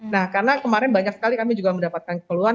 nah karena kemarin banyak sekali kami juga mendapatkan keluhan